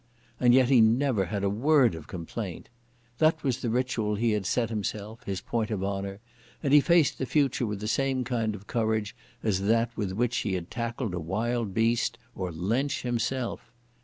And yet he never had a word of complaint. That was the ritual he had set himself, his point of honour, and he faced the future with the same kind of courage as that with which he had tackled a wild beast or Lensch himself.